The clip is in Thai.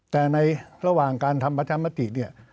แต่ในระหว่างการทำปัชธรรมติ